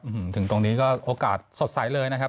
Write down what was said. ถึงตรงนี้ก็โอกาสสดใสเลยนะครับ